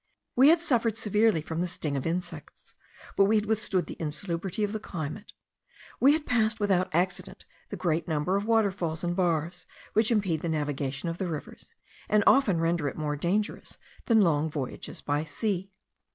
We had suffered severely from the sting of insects, but we had withstood the insalubrity of the climate; we had passed without accident the great number of waterfalls and bars, which impede the navigation of the rivers, and often render it more dangerous than long voyages by sea.